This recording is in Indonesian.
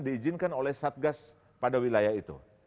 diizinkan oleh satgas pada wilayah itu